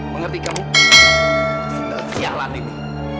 mengerti kamu sialan ini